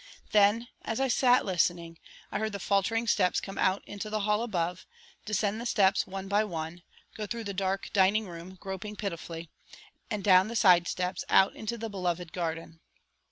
Then, as I sat listening, I heard the faltering steps come out into the hall above, descend the steps one by one, go through the dark dining room groping pitifully, and down the side steps out into the beloved garden.